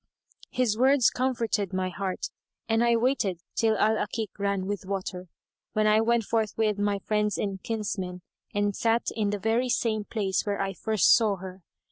His words comforted my heart and I waited till al Akik ran with water, when I went forth with my friends and kinsmen and sat in the very same place where I first saw her.